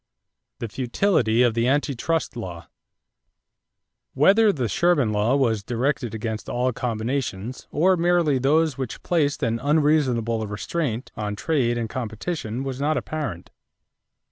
=The Futility of the Anti Trust Law.= Whether the Sherman law was directed against all combinations or merely those which placed an "unreasonable restraint" on trade and competition was not apparent.